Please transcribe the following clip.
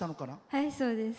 はい、そうです。